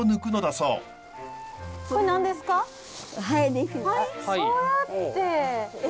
そうやってえ！